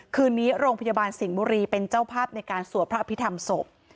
คืนนี้โรงพยาบาลสิงห์บุรีเป็นเจ้าภาพในการสวดพระอภิษฐรรมศพ